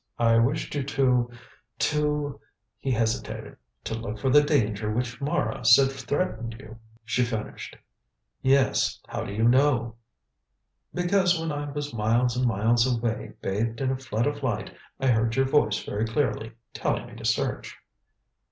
I wished you to to " He hesitated. "To look for the danger which Mara said threatened you," she finished. "Yes. How do you know?" "Because when I was miles and miles away, bathed in a flood of light, I heard your voice very clearly, telling me to search."